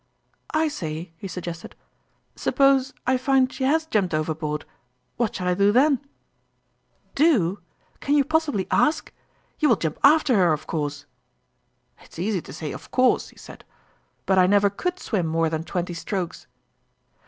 " I say," he suggested, " suppose I find she has jumped overboard what shall I do then ?"" Do ! Can you possibly ask ? You will jump after her, of course !"" It's easy to say ' of course,' " he said ; 144 Sotttntalin's &ime " but I never could swim more than twenty strokes